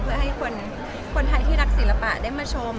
เพื่อให้คนไทยที่รักศิลปะได้มาชม